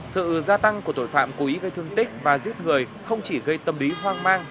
sự gia tăng của tội phạm cố ý gây thương tích và giết người không chỉ gây tâm lý hoang mang